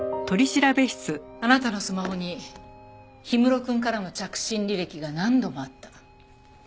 あなたのスマホに氷室くんからの着信履歴が何度もあった。